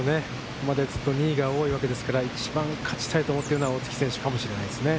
ここまでずっと２位が多いわけですから、一番勝ちたいと思っているのは大槻選手かもしれませんね。